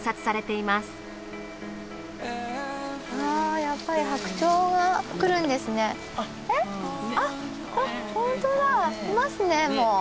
いますねもう。